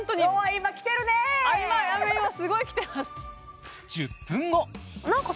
今すごいきてます